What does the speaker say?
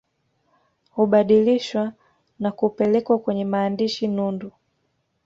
Hubadilishwa na kupelekwa kwenye maandishi nundu